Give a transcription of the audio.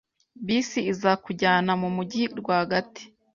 Bisi izakujyana mu mujyi rwagati